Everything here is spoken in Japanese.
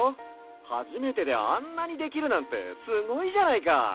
はじめてであんなにできるなんてすごいじゃないか！